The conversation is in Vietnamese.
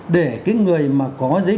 để cái người mà có giấy